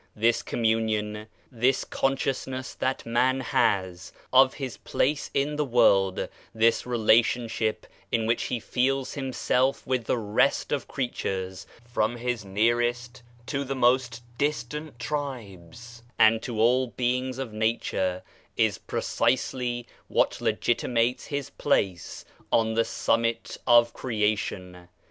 This com munion, this consciousness that man has of his place in the world, this relationship in which he feels himself with the rest of creatures, from his nearest to the most distant tribes, and to all beings of nature, is precisely what legitimates his place on the summit of creation.